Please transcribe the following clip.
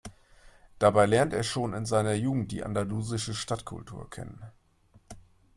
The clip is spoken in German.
Dabei lernte er schon in seiner Jugend die andalusische Stadtkultur kennen.